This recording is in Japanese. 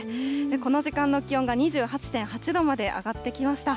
この時間の気温が２８．８度まで上がってきました。